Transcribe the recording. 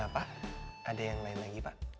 ada yang lain lagi pak